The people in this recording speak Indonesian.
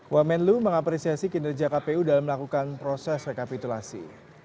wamenlu mengapresiasi kinerja kpu dalam melakukan proses rekapitulasi